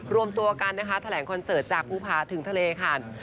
รวมตัวกันนะคะแถลงคอนเสิร์ตจากภูผาถึงทะเลค่ะ